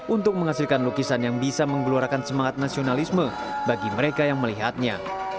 untuk menghasilkan lukisan yang bisa menggelorakan semangat nasionalisme bagi mereka yang melihatnya